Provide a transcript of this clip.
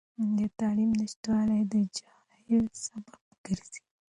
د تعلیم نشتوالی د جهل سبب ګرځي.